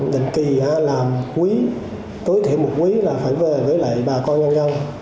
định kỳ làm quý tối thiện một quý là phải về với lại bà con nhau nhau